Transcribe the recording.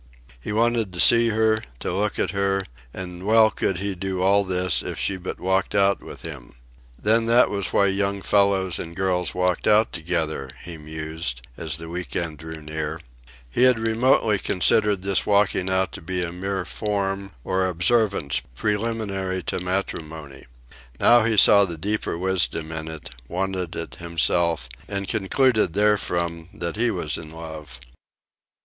He wanted to see her, to look at her, and well could he do all this if she but walked out with him. Then that was why the young fellows and girls walked out together, he mused, as the week end drew near. He had remotely considered this walking out to be a mere form or observance preliminary to matrimony. Now he saw the deeper wisdom in it, wanted it himself, and concluded therefrom that he was in love.